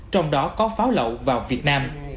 trong đó có pháo lậu vào việt nam